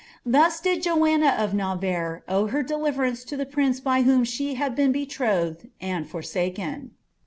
Thus did Joanna of Navarre owe her deliverance to the prince by whom she had been betrothed and forsaken.